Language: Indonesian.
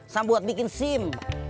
sama buat bikin sim